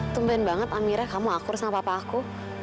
tumpen banget amira kamu akur sama papa aku